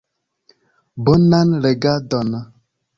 Bonan legadon!